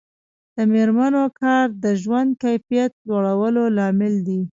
د میرمنو کار د ژوند کیفیت لوړولو لامل دی.